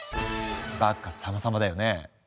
バッカスさまさまだよね。